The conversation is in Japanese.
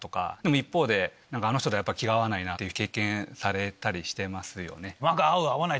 一方であの人と気が合わないって経験されたりしてますよね。